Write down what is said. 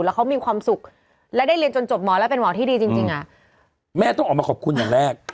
แล้วเขามีความสุขแล้วได้เรียนจนจบหมอแล้วเป็นหมอที่ดีจริงอ่ะ